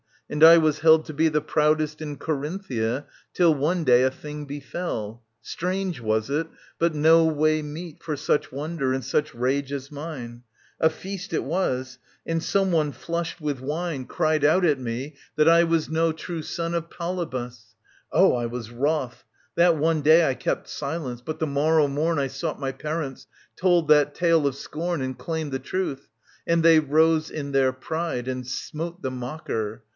And I was held to be The proudest in Corinthia, till one day A thing befell : strange was it, but no way Meet for such wonder and such rage as mine. A feast it was, and some one flushed with wine 45 >^'^ SOPHOCLES »▼. 780 807 Cried out at me that I was no true son Of Polybus. Oh, I was wroth ! That one Day I kept silence, but the morrow morn I sought my parents, told that tale of scorn And claimed the truth ; and they rose in their pride And smote the mocker.